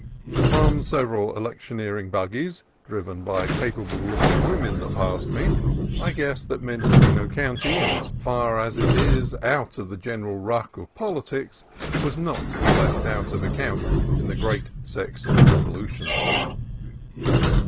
From several elec tioneering buggies, driven by capable looking wo men, that passed me, I guessed that Mendocino County, far as it is out of the general ruck of poli tics, was not to be left out of account in the Great Sex Revolution.